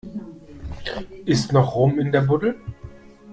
Ist noch Rum in der Buddel?